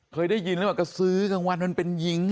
เคยได้ยินเรื่องกระซือกลางวันมันเป็นยิง